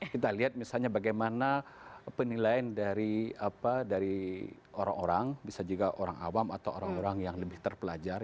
kita lihat misalnya bagaimana penilaian dari orang orang bisa juga orang awam atau orang orang yang lebih terpelajar